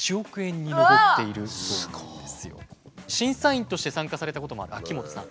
審査員として参加されたこともある秋元さん。